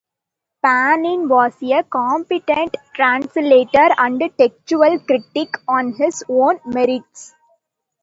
Panin was a competent translator and textual critic on his own merits.